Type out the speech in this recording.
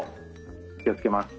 気を付けます。